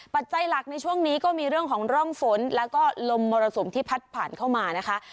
ปัจจัยหลักในช่วงนี้ก็มีเรื่องของร่องฝนแล้วก็ลมมรสุมที่พัดผ่านเข้ามานะคะ